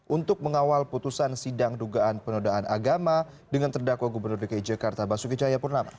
untuk mengawal putusan sidang dugaan penodaan agama dengan terdakwa gubernur dki jakarta basuki cahayapurnama